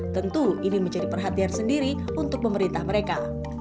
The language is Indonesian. tentu ini menjadi perhatian sendiri untuk memerintah mereka